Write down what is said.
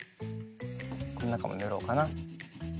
このなかもぬろうかな。